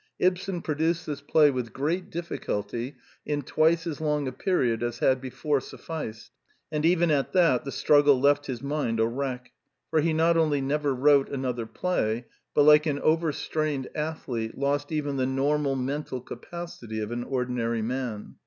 Ibsen produced this play with great difficulty in twice as long a period as had before sufficed; and eyen at that the struggle left his mind a wreck; for he not only never wrote another play, but, like an overstrained athlete, lost even the normal mental capacity of an ordinary man.